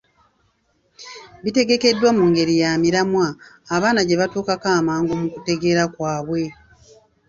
Bitegekeddwa mu ngeri ya miramwa abaana gye batuukako amangu mu kutegeera kwabwe.